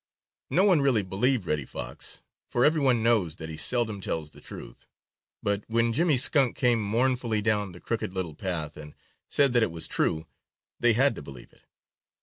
No one really believed Reddy Fox, for every one knows that he seldom tells the truth, but when Jimmy Skunk came mournfully down the Crooked Little Path and said that it was true, they had to believe it.